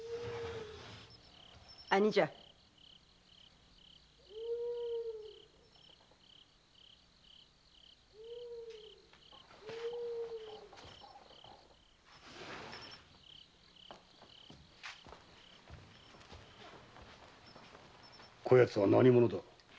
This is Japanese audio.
兄者こやつは何者だ？